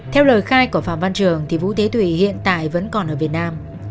theo lời khai của phạm văn trường thì vũ thế thủy hiện tại vẫn còn ở việt nam